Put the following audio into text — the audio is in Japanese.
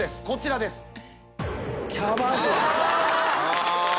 こちらです。